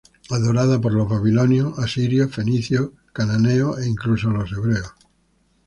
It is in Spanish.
Adorada por los babilonios, asirios, fenicios, cananeos e incluso los hebreos.